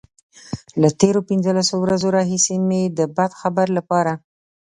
له تېرو پنځلسو ورځو راهيسې مې د بد خبر لپاره.